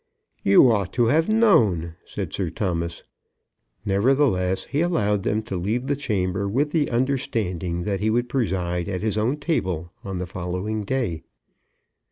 "You ought to have known," said Sir Thomas. Nevertheless, he allowed them to leave the chamber with the understanding that he would preside at his own table on the following day.